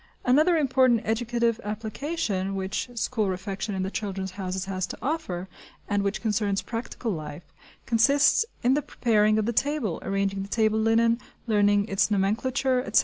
Another important educative application which school refection in the "Children's Houses" has to offer, and which concerns "practical life," consists in the preparing of the table, arranging the table linen, learning its nomenclature, etc.